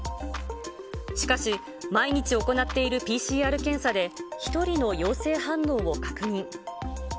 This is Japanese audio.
しかし、毎日行っているＰＣＲ検査で１人の陽性反応を確認。